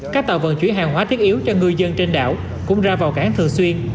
các tàu vận chuyển hàng hóa thiết yếu cho ngư dân trên đảo cũng ra vào cảng thường xuyên